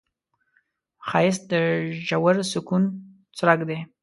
ښایست د ژور سکون څرک دی